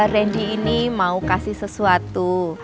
randy ini mau kasih sesuatu